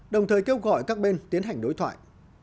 đồng thời kêu gọi các bên tiến hành đối thoại